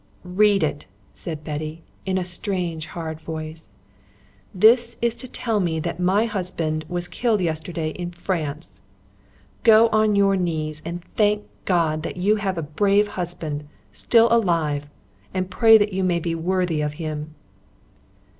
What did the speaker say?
"Read it," said Betty, in a strange, hard voice. "This is to tell me that my husband was killed yesterday in France. Go on your knees and thank God that you have a brave husband still alive and pray that you may be worthy of him."